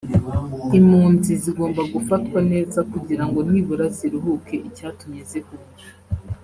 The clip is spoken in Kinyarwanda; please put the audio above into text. Impunzi zigomba gufatwa neza kugira ngo nibura ziruhuke icyatumye zihunga